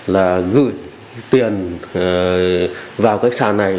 là gửi tiền vào cái sàn này